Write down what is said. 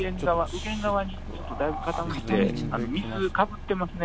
右舷側にだいぶちょっと傾いて、水かぶってますね。